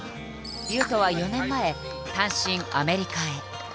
雄斗は４年前単身アメリカへ。